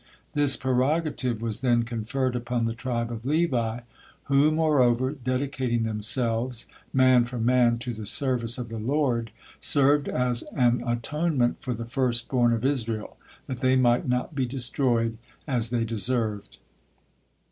This prerogative was then conferred upon the tribe of Levi, who, moreover, dedicating themselves, man for man, to the service of the Lord, served as an atonement for the first born of Israel, that they might not be destroyed as they deserved.